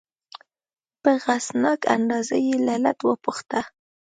په غصناک انداز یې علت وپوښته.